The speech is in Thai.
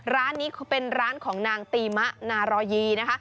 ร้านนี้เป็นร้านของนางตีมะนารอยีนะคะ